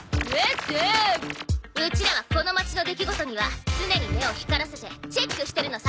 ウチらはこの町の出来事には常に目を光らせてチェックしてるのさ。